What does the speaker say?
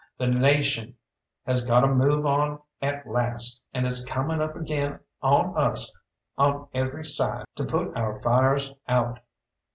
The nation has got a move on at last, and it's coming up again on us on every side to put our fires out.